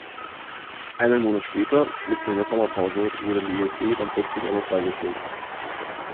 Einen Monat später, mitten in der Sommerpause, wurde Leese dann plötzlich aber freigestellt.